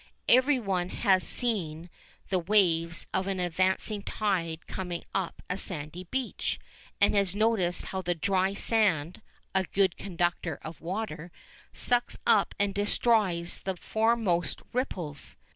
Everyone has seen the waves of an advancing tide coming up a sandy beach, and has noticed how the dry sand (a good conductor of water) sucks up and destroys the foremost ripples.